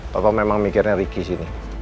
papa memang mikirnya ricky sih nih